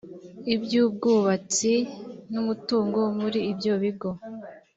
ibyubwubatsi n umutungo muri ibyo bigo